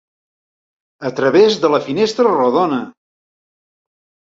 A través de la finestra rodona!